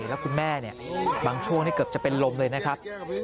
แล้วคุณแม่บางช่วงนี้เกือบจะเป็นลมเลยนะครับ